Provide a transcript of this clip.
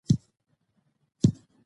افغانستان د وګړي له مخې پېژندل کېږي.